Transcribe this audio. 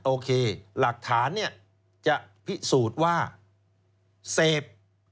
โอเคหลักฐานจะพิสูจน์ว่าเสภ